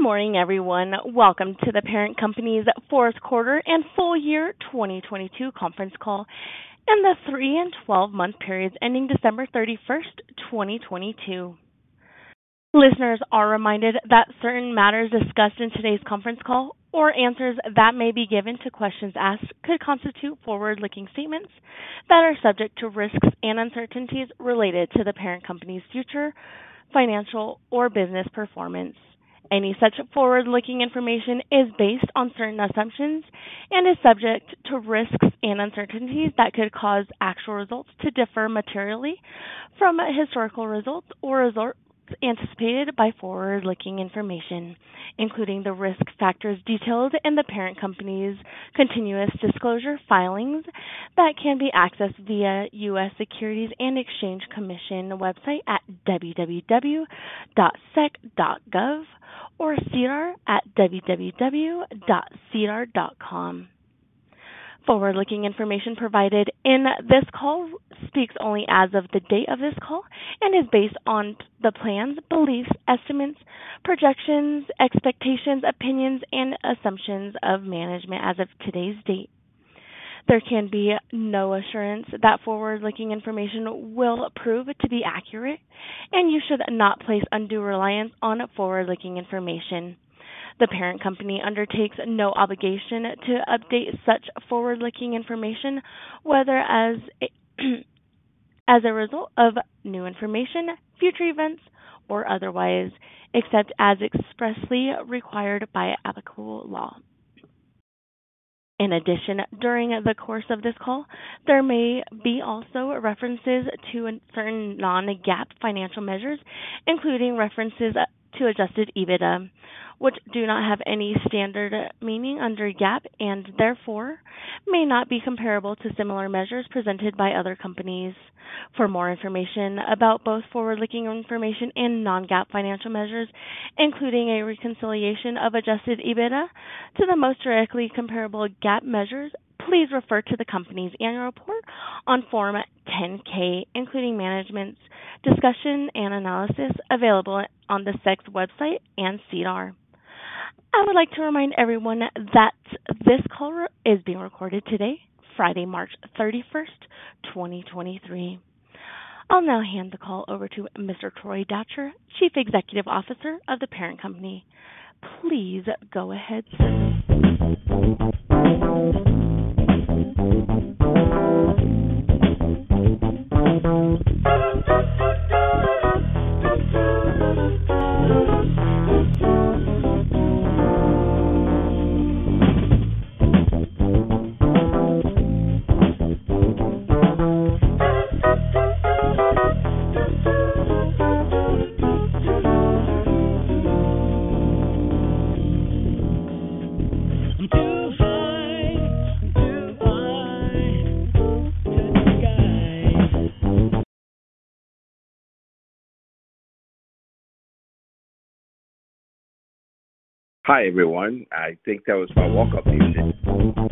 Good morning, everyone. Welcome to The Parent Company's Q4 and full year 2022 conference call in the three and 12-month periods ending December 31st, 2022. Listeners are reminded that certain matters discussed in today's conference call or answers that may be given to questions asked could constitute forward-looking statements that are subject to risks and uncertainties related to The Parent Company's future financial or business performance. Any such forward-looking information is based on certain assumptions and is subject to risks and uncertainties that could cause actual results to differ materially from historical results or results anticipated by forward-looking information, including the risk factors detailed in The Parent Company's continuous disclosure filings that can be accessed via U.S. Securities and Exchange Commission website at www.sec.gov or SEDAR at www.sedar.com. Forward-looking information provided in this call speaks only as of the date of this call and is based on the plans, beliefs, estimates, projections, expectations, opinions, and assumptions of management as of today's date. There can be no assurance that forward-looking information will prove to be accurate, and you should not place undue reliance on forward-looking information. The Parent Company undertakes no obligation to update such forward-looking information, whether as a result of new information, future events or otherwise, except as expressly required by applicable law. In addition, during the course of this call, there may be also references to certain non-GAAP financial measures, including references to Adjusted EBITDA, which do not have any standard meaning under GAAP and therefore may not be comparable to similar measures presented by other companies. For more information about both forward-looking information and non-GAAP financial measures, including a reconciliation of Adjusted EBITDA to the most directly comparable GAAP measures, please refer to the company's annual report on Form 10-K, including management's discussion and analysis available on the SEC's website and SEDAR. I would like to remind everyone that this call is being recorded today, Friday, March 31st, 2023. I'll now hand the call over to Mr. Troy Datcher, Chief Executive Officer of The Parent Company. Please go ahead, sir. Hi, everyone. I think that was my woke-up music. Hi, everyone.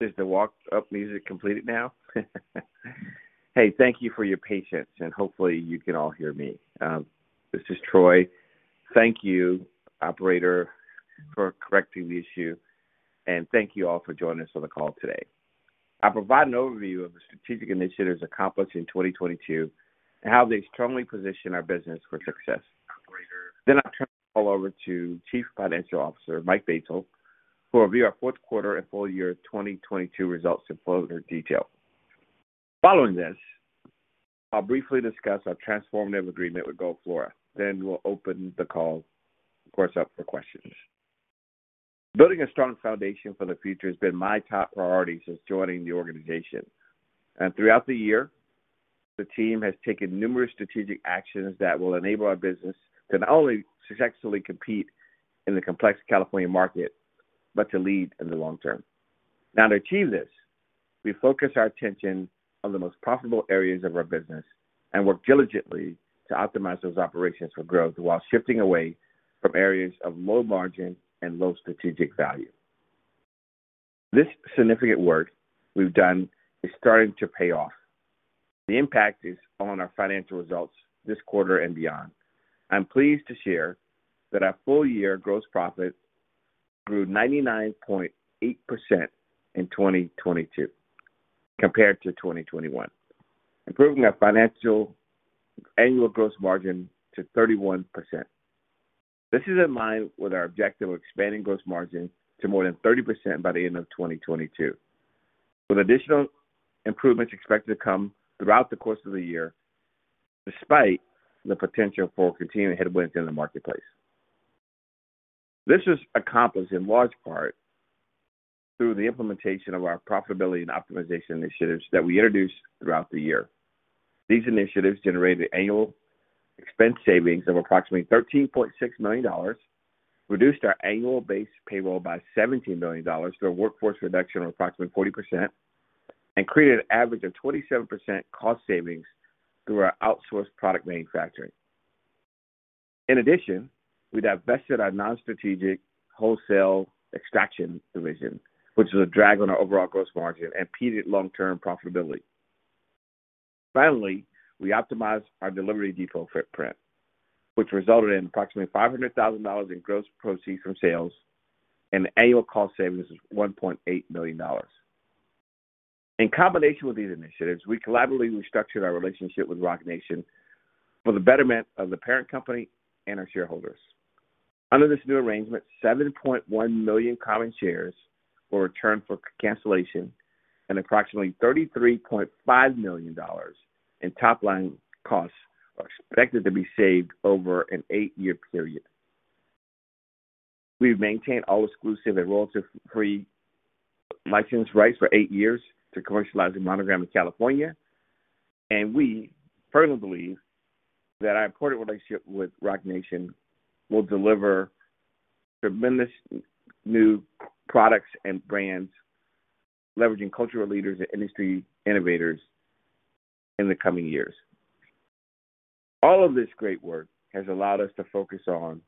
Is the walk up music completed now? Thank you for your patience, and hopefully you can all hear me. This is Troy. Thank you, operator, for correcting the issue. Thank you all for joining us on the call today. I'll provide an overview of the strategic initiatives accomplished in 2022 and how they strongly position our business for success. I'll turn the call over to Chief Financial Officer Mike Batesole, who will review our Q4 and full year 2022 results in further detail. Following this, I'll briefly discuss our transformative agreement with Gold Flora, we'll open the call, of course, up for questions. Building a strong foundation for the future has been my top priority since joining the organization. Throughout the year, the team has taken numerous strategic actions that will enable our business to not only successfully compete in the complex California market, but to lead in the long term. To achieve this, we focus our attention on the most profitable areas of our business and work diligently to optimize those operations for growth while shifting away from areas of low margin and low strategic value. This significant work we've done is starting to pay off. The impact is on our financial results this quarter and beyond. I'm pleased to share that our full year gross profit grew 99.8% in 2022 compared to 2021, improving our financial annual gross margin to 31%. This is in line with our objective of expanding gross margin to more than 30% by the end of 2022, with additional improvements expected to come throughout the course of the year, despite the potential for continuing headwinds in the marketplace. This is accomplished in large part through the implementation of our profitability and optimization initiatives that we introduced throughout the year. These initiatives generated annual expense savings of approximately $13.6 million, reduced our annual base payroll by $17 million through a workforce reduction of approximately 40%, and created an average of 27% cost savings through our outsourced product manufacturing. We divested our non-strategic wholesale extraction division, which was a drag on our overall gross margin and impeded long-term profitability. We optimized our delivery default footprint, which resulted in approximately $500 thousand in gross proceeds from sales and annual cost savings of $1.8 million. In combination with these initiatives, we collaboratively restructured our relationship with Roc Nation for the betterment of The Parent Company and our shareholders. Under this new arrangement, 7.1 million common shares were returned for cancellation and approximately $33.5 million in top line costs are expected to be saved over an eight-year period. We've maintained all exclusive and royalty-free license rights for 8 years to commercialize the Monogram in California, and we firmly believe that our important relationship with Roc Nation will deliver tremendous new products and brands leveraging cultural leaders and industry innovators in the coming years. All of this great work has allowed us to focus on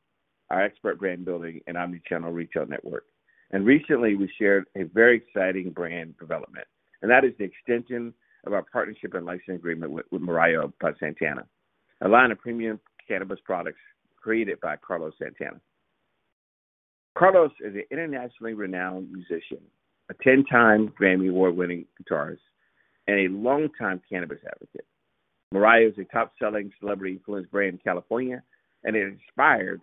our expert brand building and omni-channel retail network. Recently, we shared a very exciting brand development, and that is the extension of our partnership and licensing agreement with Mirayo by Santana, a line of premium cannabis products created by Carlos Santana. Carlos is an internationally renowned musician, a 10-time GRAMMY Award-winning guitarist, and a longtime cannabis advocate. Mirayo is a top-selling celebrity influence brand in California, and it is inspired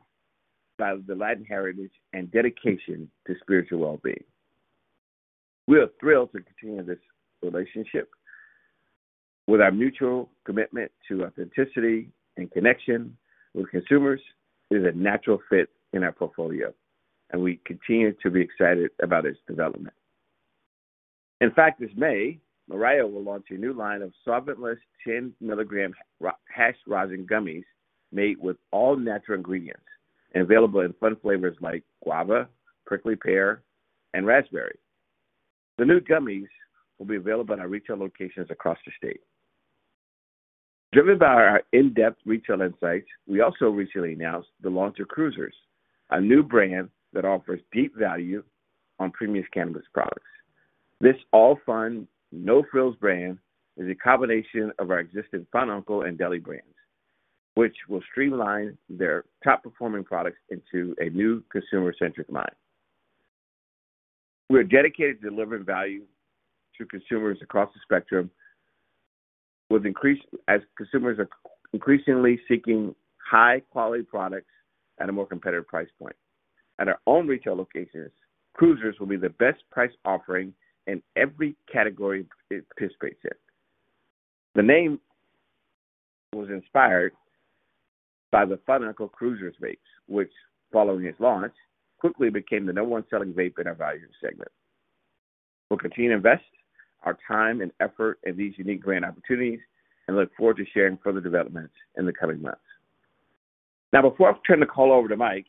by the Latin heritage and dedication to spiritual well-being. We are thrilled to continue this relationship. With our mutual commitment to authenticity and connection with consumers, it is a natural fit in our portfolio, and we continue to be excited about its development. This May, Mirayo will launch a new line of solventless 10-milligram hash rosin gummies made with all-natural ingredients and available in fun flavors like guava, prickly pear, and raspberry. The new gummies will be available in our retail locations across the state. Driven by our in-depth retail insights, we also recently announced the launch of Cruisers, a new brand that offers deep value on premium cannabis products. This all fun, no-frills brand is a combination of our existing Fun Uncle and DELI brands, which will streamline their top-performing products into a new consumer-centric line. We're dedicated to delivering value to consumers across the spectrum as consumers are increasingly seeking high-quality products at a more competitive price point. At our own retail locations, Cruisers will be the best price offering in every category it participates in. The name was inspired by the Fun Uncle Cruisers Vapes, which, following its launch, quickly became the number one selling vape in our value segment. We'll continue to invest our time and effort in these unique brand opportunities and look forward to sharing further developments in the coming months. Now, before I turn the call over to Mike,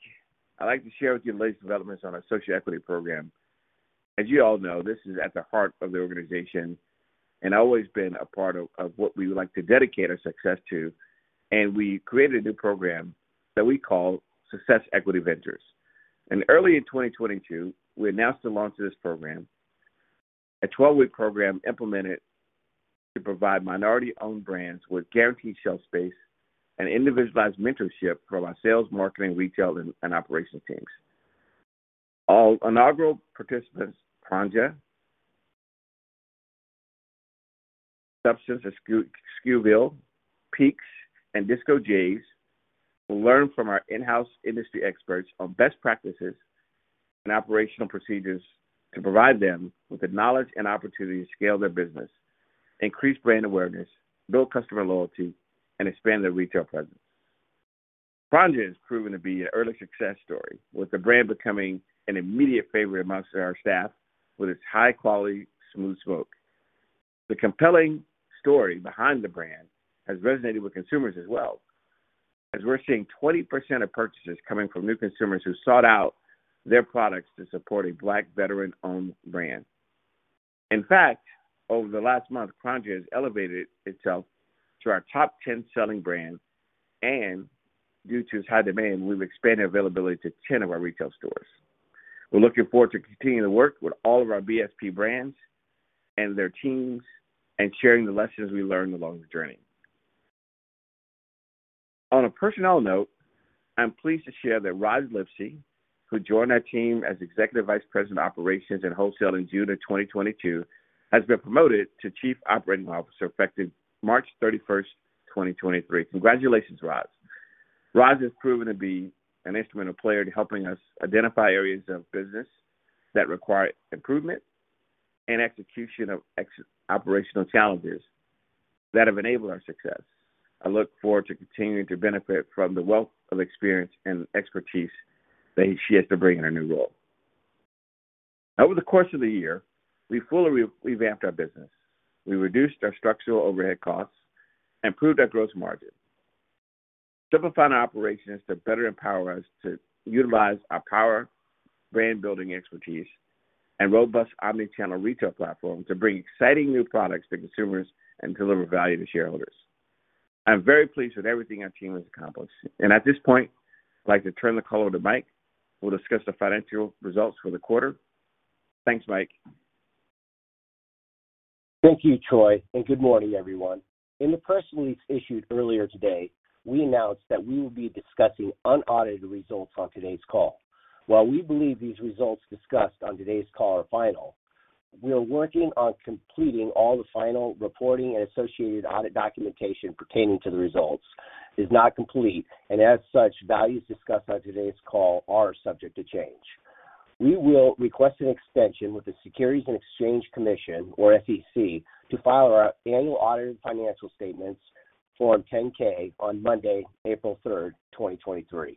I'd like to share with you the latest developments on our social equity program. As you all know, this is at the heart of the organization and always been a part of what we would like to dedicate our success to. We created a new program that we call Social Equity Ventures. Early in 2022, we announced the launch of this program, a 12-week program implemented to provide minority-owned brands with guaranteed shelf space and individualized mentorship from our sales, marketing, retail, and operation teams. All inaugural participants, CRONJA, Substance, Skewville, Peakz, and Disco Jays will learn from our in-house industry experts on best practices and operational procedures to provide them with the knowledge and opportunity to scale their business, increase brand awareness, build customer loyalty, and expand their retail presence. CRONJA has proven to be an early success story, with the brand becoming an immediate favorite amongst our staff with its high-quality, smooth smoke. The compelling story behind the brand has resonated with consumers as well, as we're seeing 20% of purchases coming from new consumers who sought out their products to support a Black- and veteran-owned brand. In fact, over the last month, CRONJA has elevated itself to our top 10 selling brands, and due to its high demand, we've expanded availability to 10 of our retail stores. We're looking forward to continuing to work with all of our BSP brands and their teams and sharing the lessons we learned along the journey. On a personnel note, I'm pleased to share that Roz Lipsey, who joined our team as Executive Vice President of Operations and Wholesale in June of 2022, has been promoted to Chief Operating Officer, effective March 31, 2023. Congratulations, Roz. Roz has proven to be an instrumental player in helping us identify areas of business that require improvement and execution of operational challenges that have enabled our success. I look forward to continuing to benefit from the wealth of experience and expertise that she has to bring in her new role. Over the course of the year, we fully revamped our business. We reduced our structural overhead costs, improved our gross margin, simplified our operations to better empower us to utilize our power, brand-building expertise, and robust omni-channel retail platform to bring exciting new products to consumers and deliver value to shareholders. I'm very pleased with everything our team has accomplished. At this point, I'd like to turn the call over to Mike, who will discuss the financial results for the quarter. Thanks, Mike. Thank you, Troy, and good morning, everyone. In the press release issued earlier today, we announced that we will be discussing unaudited results on today's call. While we believe these results discussed on today's call are final, we are working on completing all the final reporting and associated audit documentation pertaining to the results is not complete, and as such, values discussed on today's call are subject to change. We will request an extension with the Securities and Exchange Commission, or SEC, to file our annual audited financial statements Form 10-K on Monday, April 3rd, 2023.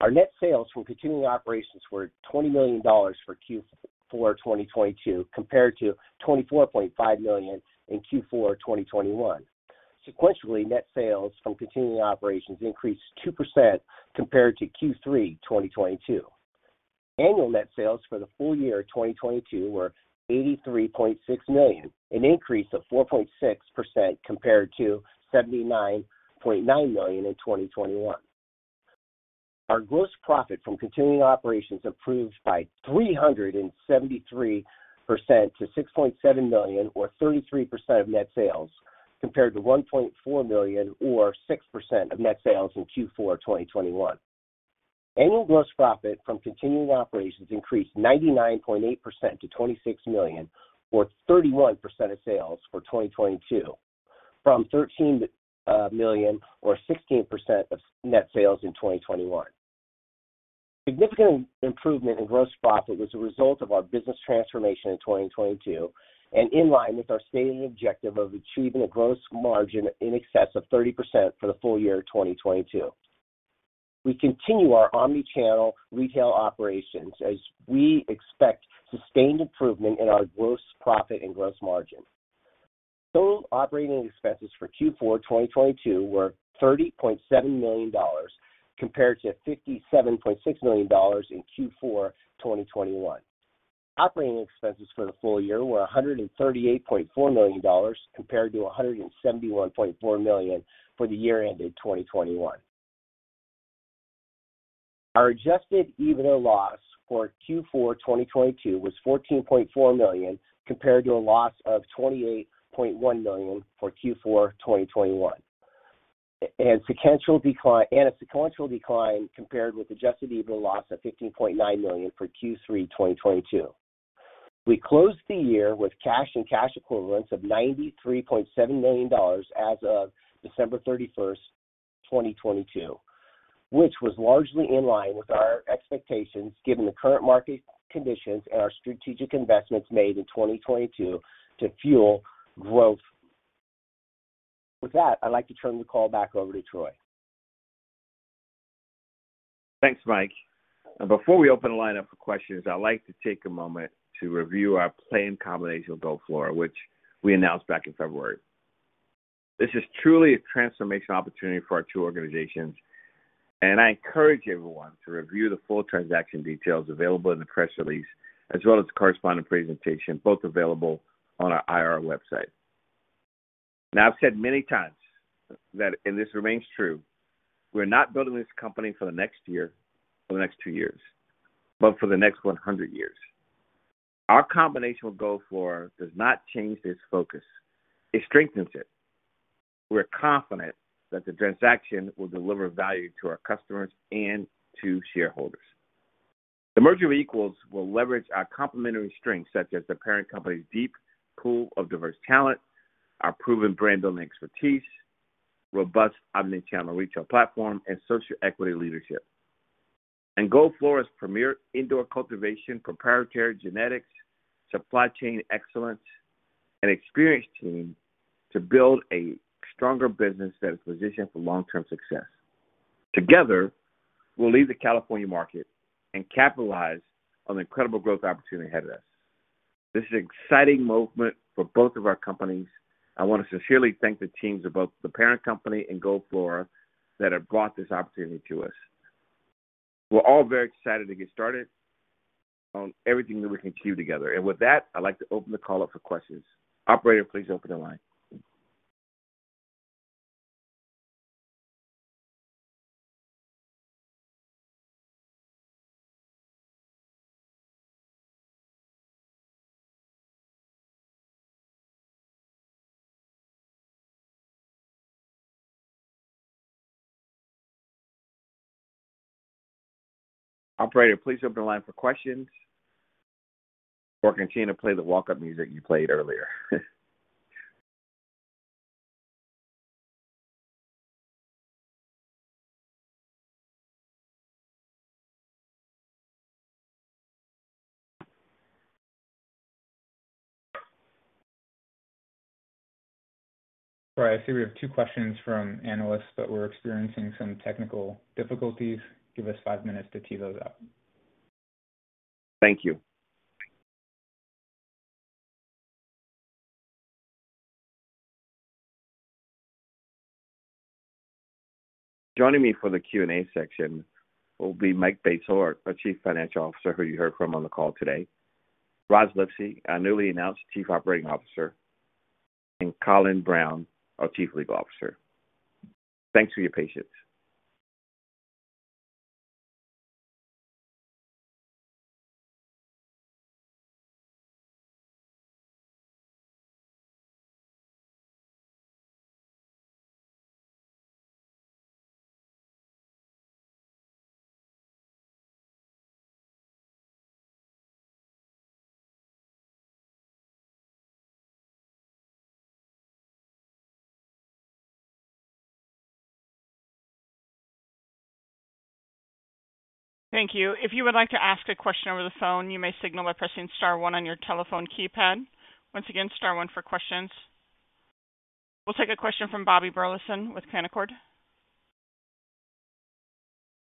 Our net sales from continuing operations were $20 million for Q4 2022, compared to $24.5 million in Q4 2021. Sequentially, net sales from continuing operations increased 2% compared to Q3 2022. Annual net sales for the full year 2022 were $83.6 million, an increase of 4.6% compared to $79.9 million in 2021. Our gross profit from continuing operations improved by 373% to $6.7 million or 33% of net sales, compared to $1.4 million or 6% of net sales in Q4 2021. Annual gross profit from continuing operations increased 99.8% to $26 million, or 31% of sales for 2022, from $13 million or 16% of net sales in 2021. Significant improvement in gross profit was a result of our business transformation in 2022 and in line with our stated objective of achieving a gross margin in excess of 30% for the full year 2022. We continue our omni-channel retail operations as we expect sustained improvement in our gross profit and gross margin. Total operating expenses for Q4 2022 were $30.7 million compared to $57.6 million in Q4 2021. Operating expenses for the full year were $138.4 million compared to $171.4 million for the year ended 2021. Our Adjusted EBITDA loss for Q4 2022 was $14.4 million, compared to a loss of $28.1 million for Q4 2021. Sequential decline compared with Adjusted EBITDA loss of $15.9 million for Q3 2022. We closed the year with cash and cash equivalents of $93.7 million as of December 31, 2022, which was largely in line with our expectations, given the current market conditions and our strategic investments made in 2022 to fuel growth. With that, I'd like to turn the call back over to Troy. Thanks, Mike. Before we open the line up for questions, I'd like to take a moment to review our planned combination with Gold Flora, which we announced back in February. This is truly a transformational opportunity for our two organizations, and I encourage everyone to review the full transaction details available in the press release, as well as the corresponding presentation, both available on our IR website. Now, I've said many times that, and this remains true, we're not building this company for the next year or the next two years, but for the next 100 years. Our combination with Gold Flora does not change this focus. It strengthens it. We're confident that the transaction will deliver value to our customers and to shareholders. The merger of equals will leverage our complementary strengths, such as The Parent Company's deep pool of diverse talent, our proven brand building expertise, robust omnichannel retail platform, and social equity leadership. Gold Flora's premier indoor cultivation, proprietary genetics, supply chain excellence, and experienced team to build a stronger business that is positioned for long-term success. Together, we'll lead the California market and capitalize on the incredible growth opportunity ahead of us. This is an exciting moment for both of our companies. I want to sincerely thank the teams of both The Parent Company and Gold Flora that have brought this opportunity to us. We're all very excited to get started on everything that we can do together. With that, I'd like to open the call up for questions. Operator, please open the line. Operator, please open the line for questions. Continue to play the walk-up music you played earlier. Troy, I see we have two questions from analysts, but we're experiencing some technical difficulties. Give us five minutes to tee those up. Thank you. Joining me for the Q&A section will be Mike Batesole, our chief financial officer, who you heard from on the call today, Rozlyn Lipsey, our newly announced chief operating officer, and Colin Brown, our chief legal officer. Thanks for your patience. Thank you. If you would like to ask a question over the phone, you may signal by pressing star one on your telephone keypad. Once again, star one for questions. We'll take a question from Bobby Burleson with Canaccord.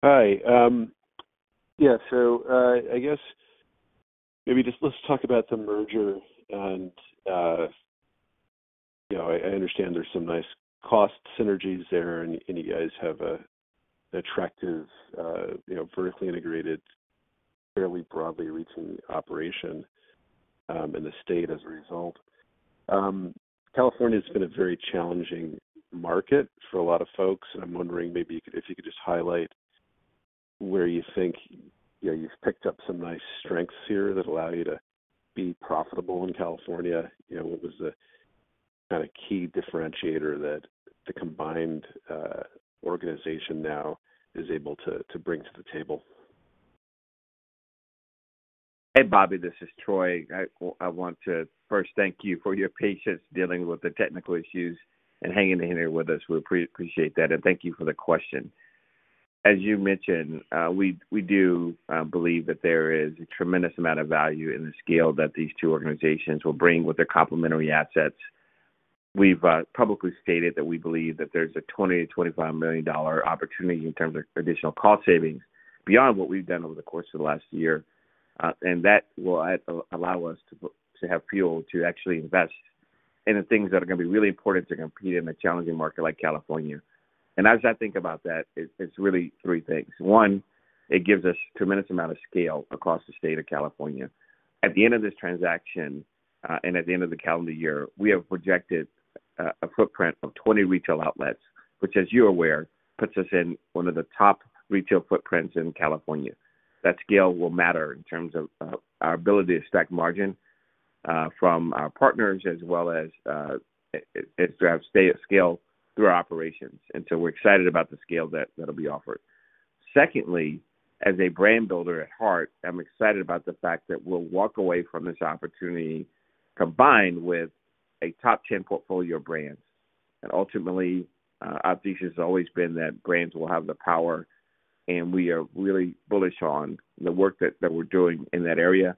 Hi. Yeah, I guess maybe just let's talk about the merger, you know, I understand there's some nice cost synergies there, and you guys have an attractive, you know, vertically integrated, fairly broadly reaching operation in the state as a result. California's been a very challenging market for a lot of folks, and I'm wondering maybe if you could just highlight where you think, you know, you've picked up some nice strengths here that allow you to be profitable in California. You know, what was the kind of key differentiator that the combined organization now is able to bring to the table? Hey, Bobby, this is Troy. I want to first thank you for your patience dealing with the technical issues and hanging in there with us. We appreciate that. Thank you for the question. As you mentioned, we do believe that there is a tremendous amount of value in the scale that these two organizations will bring with their complementary assets. We've publicly stated that we believe that there's a $20 million-$25 million opportunity in terms of additional cost savings beyond what we've done over the course of the last year. That will allow us to have fuel to actually invest in the things that are gonna be really important to compete in a challenging market like California. As I think about that, it's really three things. One, it gives us tremendous amount of scale across the state of California. At the end of this transaction, and at the end of the calendar year, we have projected a footprint of 20 retail outlets, which as you're aware, puts us in one of the top retail footprints in California. That scale will matter in terms of our ability to stack margin from our partners as well as it's gonna stay at scale through our operations. We're excited about the scale that'll be offered. Secondly, as a brand builder at heart, I'm excited about the fact that we'll walk away from this opportunity combined with a top 10 portfolio brands. Our thesis has always been that brands will have the power, and we are really bullish on the work that we're doing in that area.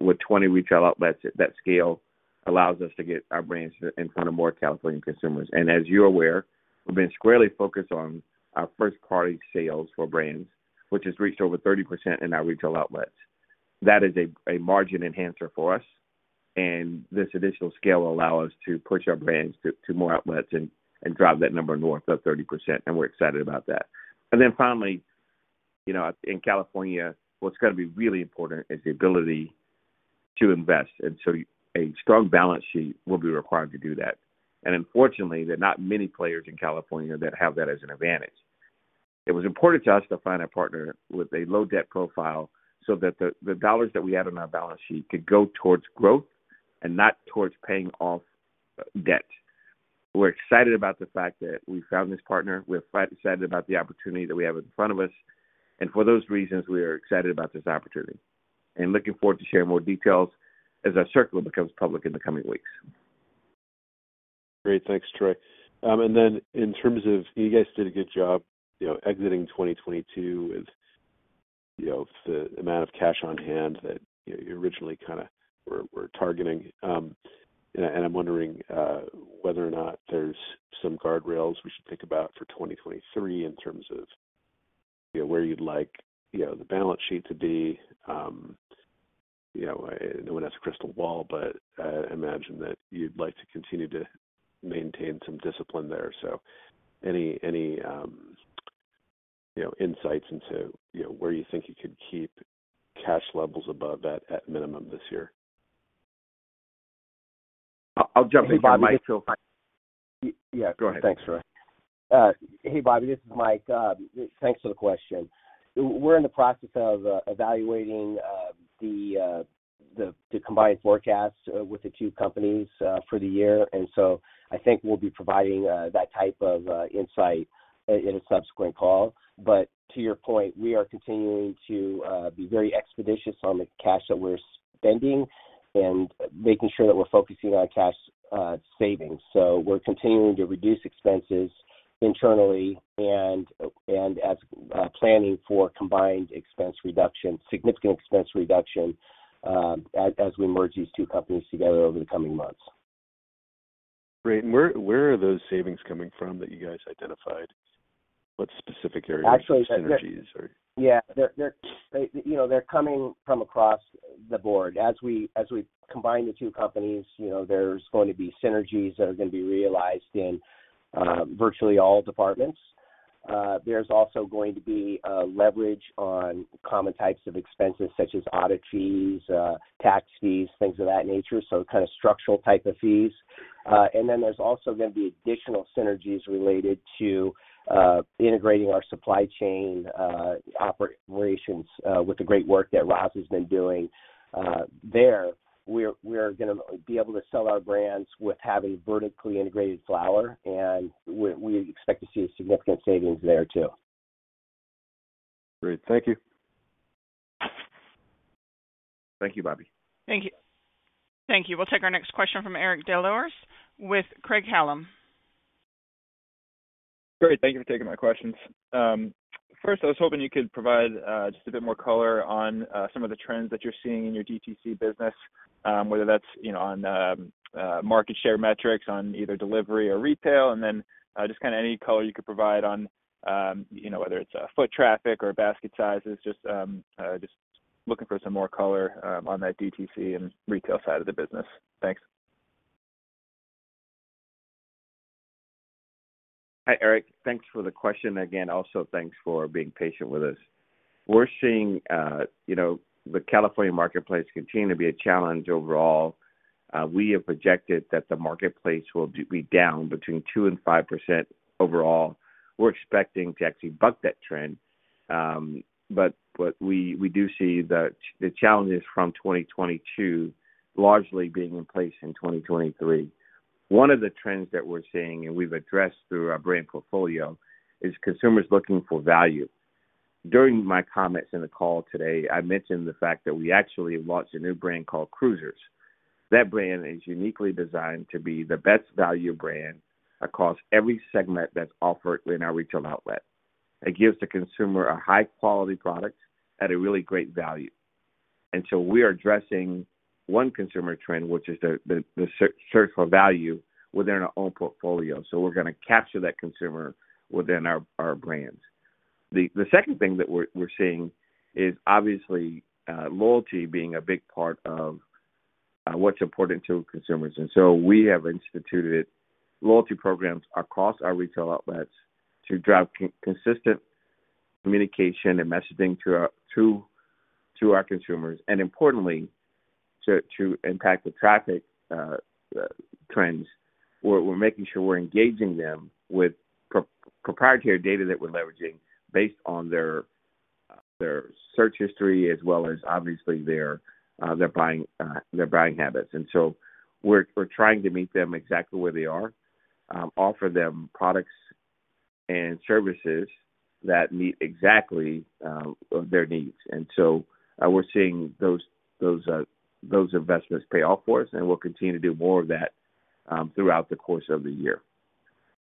With 20 retail outlets at that scale allows us to get our brands in front of more California consumers. As you're aware, we've been squarely focused on our first-party sales for brands, which has reached over 30% in our retail outlets. That is a margin enhancer for us, and this additional scale will allow us to push our brands to more outlets and drive that number north of 30%, and we're excited about that. Finally, you know, in California, what's gonna be really important is the ability to invest. A strong balance sheet will be required to do that. Unfortunately, there are not many players in California that have that as an advantage. It was important to us to find a partner with a low debt profile so that the dollars that we had on our balance sheet could go towards growth and not towards paying off debt. We're excited about the fact that we found this partner. We're excited about the opportunity that we have in front of us, and for those reasons, we are excited about this opportunity. Looking forward to share more details as our circle becomes public in the coming weeks. Great. Thanks, Troy. Then in terms of... You guys did a good job, you know, exiting 2022 with, you know, the amount of cash on hand that you originally kinda were targeting. I'm wondering whether or not there's some guardrails we should think about for 2023 in terms of, you know, where you'd like, you know, the balance sheet to be. You know, no one has a crystal ball, but I imagine that you'd like to continue to maintain some discipline there. Any, you know, insights into, you know, where you think you could keep cash levels above that at minimum this year? I'll jump in here, Mike. Hey, Bobby. This is Mike. Yeah, go ahead. Thanks, Troy. hey, Bobby, this is Mike. thanks for the question. We're in the process of evaluating the combined forecast with the two companies for the year. I think we'll be providing that type of insight in a subsequent call. to your point, we are continuing to be very expeditious on the cash that we're spending and making sure that we're focusing on cash savings. we're continuing to reduce expenses internally and as planning for combined expense reduction, significant expense reduction, as we merge these two companies together over the coming months. Great. Where are those savings coming from that you guys identified? What specific areas or synergies or? Actually, yeah, they're, you know, coming from across the board. As we combine the two companies, you know, there's going to be synergies that are gonna be realized in virtually all departments. There's also going to be leverage on common types of expenses such as audit fees, tax fees, things of that nature, so kind of structural type of fees. There's also gonna be additional synergies related to integrating our supply chain operations with the great work that Roz has been doing there. We're gonna be able to sell our brands with having vertically integrated flower, and we expect to see a significant savings there too. Great. Thank you. Thank you, Bobby. Thank you. Thank you. We'll take our next question from Eric Des Lauriers with Craig-Hallum. Great. Thank you for taking my questions. First, I was hoping you could provide just a bit more color on some of the trends that you're seeing in your DTC business, whether that's, you know, on market share metrics on either delivery or retail, and then just kinda any color you could provide on, you know, whether it's foot traffic or basket sizes. Just looking for some more color on that DTC and retail side of the business. Thanks. Hi, Eric. Thanks for the question again. Also, thanks for being patient with us. We're seeing, you know, the California marketplace continue to be a challenge overall. We have projected that the marketplace will be down between 2%-5% overall. We're expecting to actually buck that trend, but we do see the challenges from 2022 largely being in place in 2023. One of the trends that we're seeing, and we've addressed through our brand portfolio, is consumers looking for value. During my comments in the call today, I mentioned the fact that we actually launched a new brand called Cruisers. That brand is uniquely designed to be the best value brand across every segment that's offered in our retail outlet. It gives the consumer a high quality product at a really great value. We are addressing one consumer trend, which is the search for value within our own portfolio. We're gonna capture that consumer within our brands. The second thing that we're seeing is obviously, loyalty being a big part of what's important to consumers. We have instituted loyalty programs across our retail outlets to drive consistent communication and messaging to our consumers, and importantly, to impact the traffic trends. We're making sure we're engaging them with proprietary data that we're leveraging based on their search history as well as obviously their buying habits. We're trying to meet them exactly where they are, offer them products and services that meet exactly their needs. We're seeing those investments pay off for us, and we'll continue to do more of that throughout the course of the year.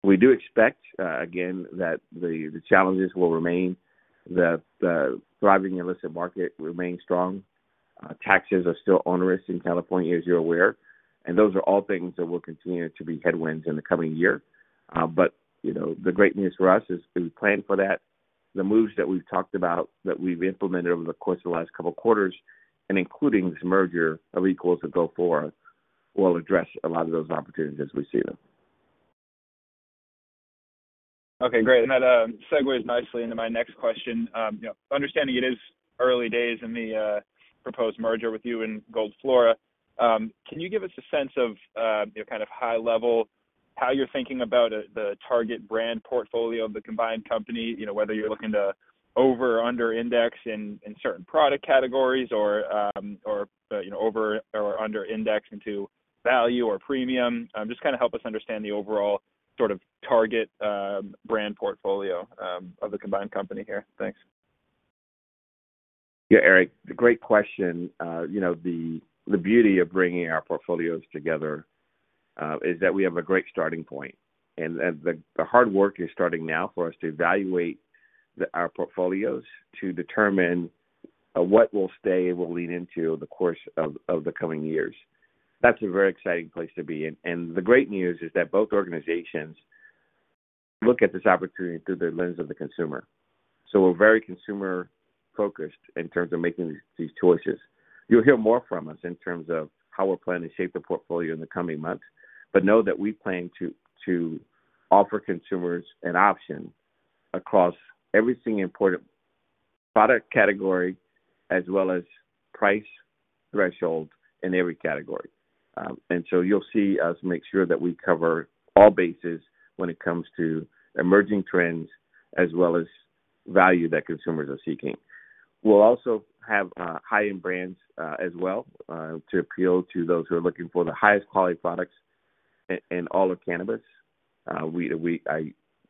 We do expect, again, that the challenges will remain, that the thriving illicit market remains strong. Taxes are still onerous in California, as you're aware, and those are all things that will continue to be headwinds in the coming year. You know, the great news for us is we planned for that. The moves that we've talked about that we've implemented over the course of the last couple quarters, and including this merger of equals with Gold Flora, will address a lot of those opportunities as we see them. Okay, great. That segues nicely into my next question. You know, understanding it is early days in the proposed merger with you and Gold Flora, can you give us a sense of, you know, kind of high level, how you're thinking about the target brand portfolio of the combined company, you know, whether you're looking to over or under index in certain product categories or, you know, over or under index into value or premium? Just kind of help us understand the overall sort of target brand portfolio of the combined company here. Thanks. Yeah, Eric, great question. You know, the beauty of bringing our portfolios together, is that we have a great starting point, and the hard work is starting now for us to evaluate our portfolios to determine what will stay and what we'll lean into the course of the coming years. That's a very exciting place to be. The great news is that both organizations look at this opportunity through the lens of the consumer. We're very consumer-focused in terms of making these choices. You'll hear more from us in terms of how we're planning to shape the portfolio in the coming months, but know that we plan to offer consumers an option across every single important product category as well as price threshold in every category. You'll see us make sure that we cover all bases when it comes to emerging trends as well as value that consumers are seeking. We'll also have high-end brands as well to appeal to those who are looking for the highest quality products in all of cannabis. I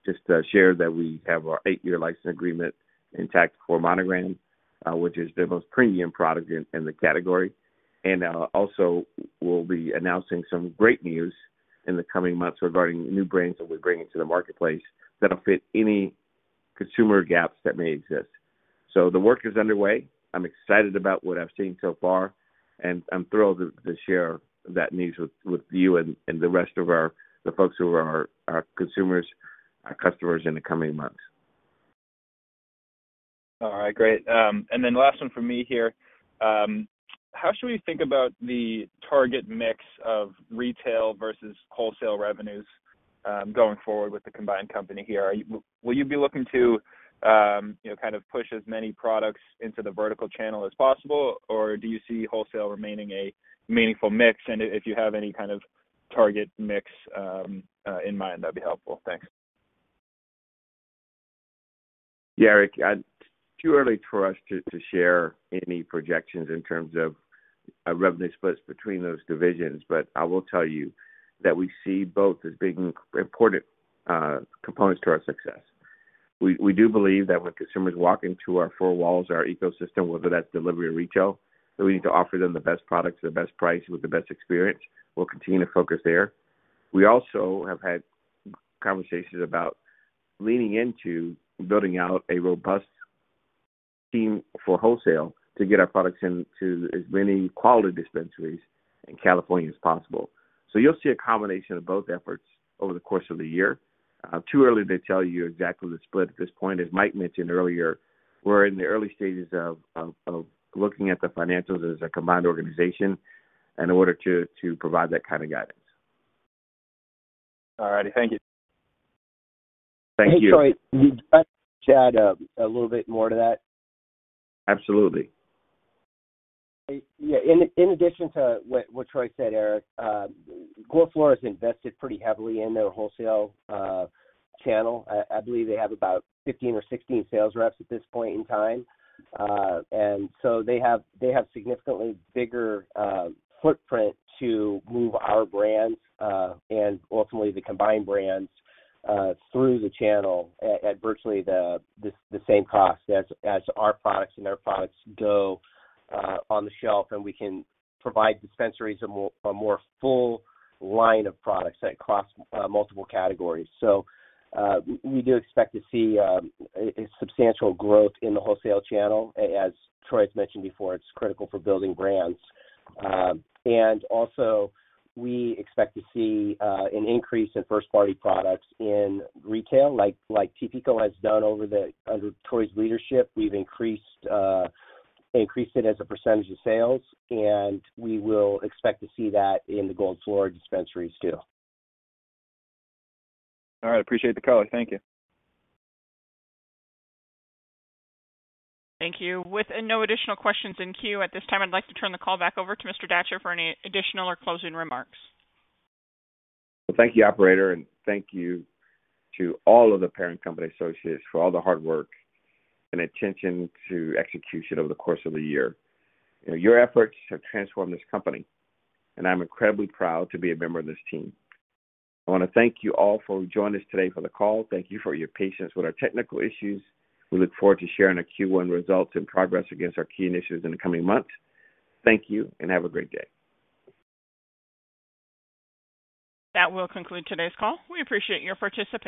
just shared that we have our eight-year license agreement intact for Monogram, which is the most premium product in the category. Also we'll be announcing some great news in the coming months regarding new brands that we're bringing to the marketplace that'll fit any consumer gaps that may exist. The work is underway. I'm excited about what I've seen so far, and I'm thrilled to share that news with you and the rest of our, the folks who are our consumers, our customers in the coming months. All right, great. Then last one from me here. How should we think about the target mix of retail versus wholesale revenues, going forward with the combined company here? Will you be looking to, you know, kind of push as many products into the vertical channel as possible, or do you see wholesale remaining a meaningful mix? If you have any kind of target mix in mind, that'd be helpful. Thanks. Yeah, Eric, too early for us to share any projections in terms of a revenue splits between those divisions, but I will tell you that we see both as being important components to our success. We do believe that when consumers walk into our four walls, our ecosystem, whether that's delivery or retail, that we need to offer them the best products at the best price with the best experience. We'll continue to focus there. We also have had conversations about leaning into building out a robust team for wholesale to get our products into as many quality dispensaries in California as possible. You'll see a combination of both efforts over the course of the year. Too early to tell you exactly the split at this point. As Mike mentioned earlier, we're in the early stages of looking at the financials as a combined organization in order to provide that kind of guidance. All righty. Thank you. Thank you. Hey, Troy, can I just add, a little bit more to that? Absolutely. Yeah, in addition to what Troy Datcher said, Eric Des Lauriers, Gold Flora's invested pretty heavily in their wholesale channel. I believe they have about 15 or 16 sales reps at this point in time. They have significantly bigger footprint to move our brands and ultimately the combined brands through the channel at virtually the same cost as our products and their products go on the shelf, and we can provide dispensaries a more full line of products that cross multiple categories. We do expect to see a substantial growth in the wholesale channel. As Troy Datcher's mentioned before, it's critical for building brands. Also, we expect to see an increase in first-party products in retail. Like, like TPCO has done over the... under Troy's leadership, we've increased it as a % of sales, and we will expect to see that in the Gold Flora dispensaries too. All right. Appreciate the color. Thank you. Thank you. With no additional questions in queue at this time, I'd like to turn the call back over to Mr. Datcher for any additional or closing remarks. Well, thank you, operator, thank you to all of The Parent Company associates for all the hard work and attention to execution over the course of the year. You know, your efforts have transformed this company, I'm incredibly proud to be a member of this team. I wanna thank you all for joining us today for the call. Thank you for your patience with our technical issues. We look forward to sharing our Q1 results and progress against our key initiatives in the coming months. Thank you, and have a great day. That will conclude today's call. We appreciate your participation.